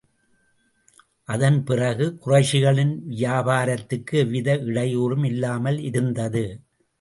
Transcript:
அதன் பிறகு, குறைஷிகளின் வியாபாரத்துக்கு எவ்வித இடையூறும் இல்லாமல் இருந்தது.